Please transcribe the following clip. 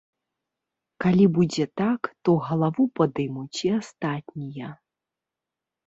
Калі будзе так, то галаву падымуць і астатнія.